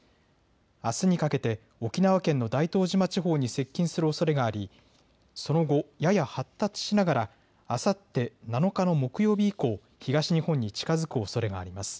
あすにかけて沖縄県の大東島地方に接近するおそれがありその後、やや発達しながらあさって７日の木曜日以降、東日本に近づくおそれがあります。